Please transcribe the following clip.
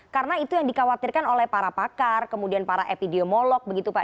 karena itu yang dikhawatirkan oleh para pakar kemudian para epidemiolog begitu pak